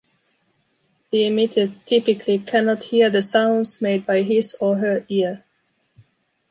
The emitter typically cannot hear the sounds made by his or her ear.